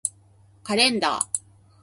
カレンダー